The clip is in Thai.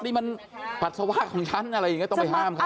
นี่มันปัสสาวะของฉันอะไรอย่างนี้ต้องไปห้ามเขา